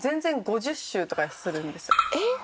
えっ？